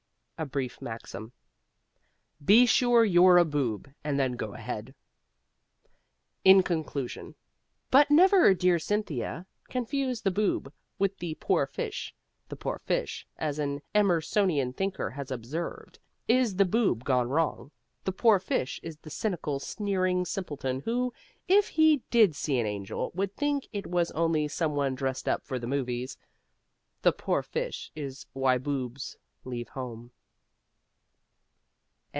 A BRIEF MAXIM Be sure you're a Boob, and then go ahead. IN CONCLUSION But never, dear Cynthia, confuse the Boob with the Poor Fish. The Poor Fish, as an Emersonian thinker has observed, is the Boob gone wrong. The Poor Fish is the cynical, sneering simpleton who, if he did see an angel, would think it was only some one dressed up for the movies. The Poor Fish is Why Boobs Leave Home.